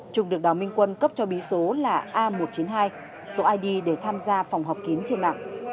trung được đào minh quân cấp cho bí số là a một trăm chín mươi hai số id để tham gia phòng họp kín trên mạng